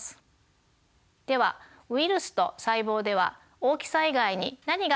ではウイルスと細胞では大きさ以外に何が違うのでしょうか？